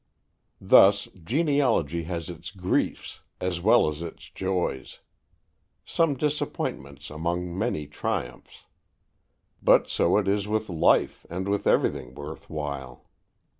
Thus, genealogy has its griefs as well as its joys some disappointments among many triumphs. But so it is with life and with everything worth while.